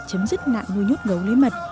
chấm dứt nạn nuôi nhốt gấu lấy mật